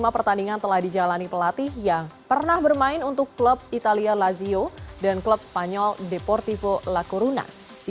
lima pertandingan telah dijalani pelatih yang pernah bermain untuk klub italia lazio dan klub spanyol deportivo lakoruna